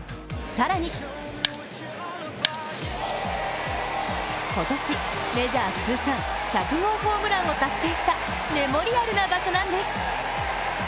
更に今年、メジャー通算１００号ホームランを達成したメモリアルな場所なんです。